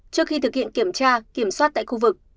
trước khi thực hiện kiểm tra kiểm soát tại khu vực